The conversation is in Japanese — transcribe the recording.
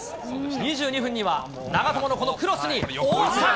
２２分には、長友のこのクロスに、大迫。